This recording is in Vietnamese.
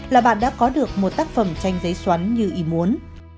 là bạn đã có được một tác phẩm tranh giấy xoắn như ý muốn